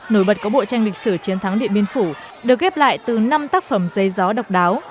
nổi bật có bộ tranh lịch sử chiến thắng điện biên phủ được ghép lại từ năm tác phẩm dây gió độc đáo